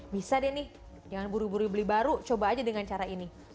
bisa deh nih jangan buru buru beli baru coba aja dengan cara ini